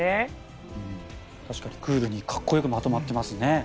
確かにクールにかっこよくまとまっていますね。